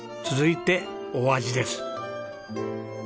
続いてお味です。